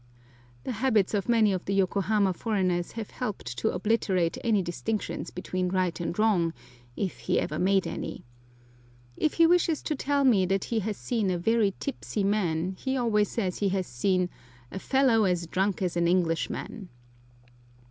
The habits of many of the Yokohama foreigners have helped to obliterate any distinctions between right and wrong, if he ever made any. If he wishes to tell me that he has seen a very tipsy man, he always says he has seen "a fellow as drunk as an Englishman."